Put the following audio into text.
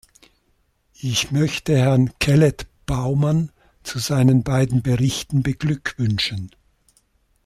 Ich möchte Herrn Kellet-Bowman zu seinen beiden Berichten beglückwünschen.